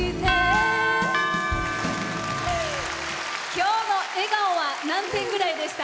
今日の笑顔は何点ぐらいでした？